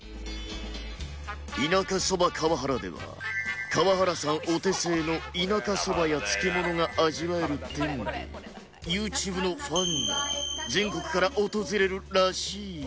田舎そば川原では川原さんお手製の田舎そばや漬物が味わえるってんで ＹｏｕＴｕｂｅ のファンが全国から訪れるらしいよ